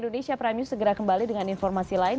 indonesia prime news segera kembali dengan informasi lain